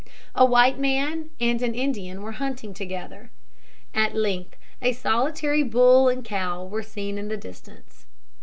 A white man and an Indian were hunting together. At length a solitary bull and cow were seen in the distance.